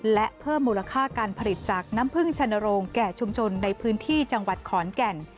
และเพิ่มมูลค่าการผลิตจากน้ำพึ่งชนโรงแก่ชุมชนในพื้นที่จังหวัดขอนแก่น